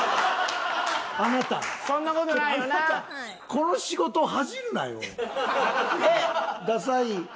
この仕事恥じるなよ。